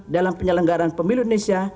dalam penyelenggaran pemilih indonesia